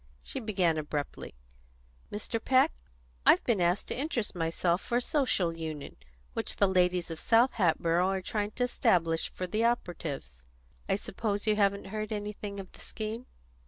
She began abruptly: "Mr. Peck, I've been asked to interest myself for a Social Union which the ladies of South Hatboro' are trying to establish for the operatives. I suppose you haven't heard anything of the scheme?"